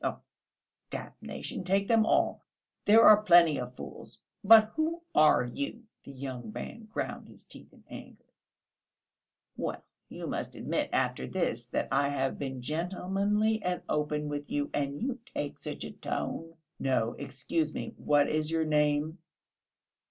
"Ah, damnation take them all! There are plenty of fools. But who are you?" The young man ground his teeth in anger. "Well, you must admit after this that I have been gentlemanly and open with you ... and you take such a tone!" "No, excuse me ... what is your name?"